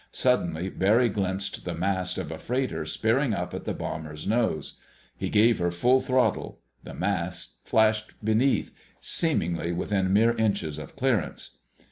Suddenly Barry glimpsed the mast of a freighter spearing up at the bomber's nose. He gave her full throttle. The mast flashed beneath—seemingly with mere inches of clearance.